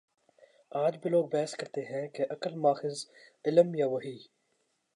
آج بھی لوگ بحث کرتے ہیں کہ عقل ماخذ علم یا وحی؟